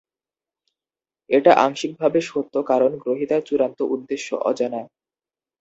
এটা আংশিকভাবে সত্য কারণ গ্রহীতার চূড়ান্ত উদ্দেশ্য অজানা।